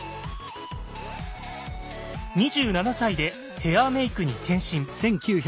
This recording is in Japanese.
２７歳でヘアーメイクに転身。